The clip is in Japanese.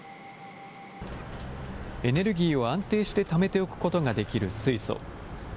エネルギーを安定してためておくことができる水素。